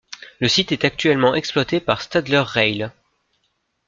Le site est actuellement exploité par Stadler Rail.